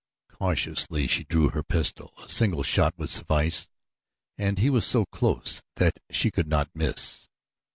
Cautiously she drew her pistol. A single shot would suffice and he was so close that she could not miss.